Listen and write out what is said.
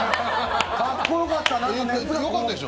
かっこよかったでしょ。